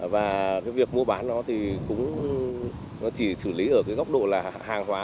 và cái việc mua bán nó thì cũng nó chỉ xử lý ở cái góc độ là hàng hóa